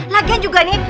lagian juga nih